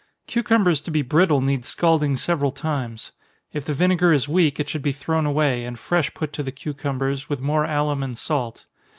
Cucumbers to be brittle need scalding several times. If the vinegar is weak, it should be thrown away, and fresh put to the cucumbers, with more alum and salt.